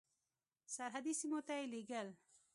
سرحدي سیمو ته یې لېږل.